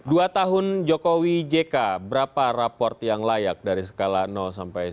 dua tahun jokowi jk berapa raport yang layak dari skala sampai sepuluh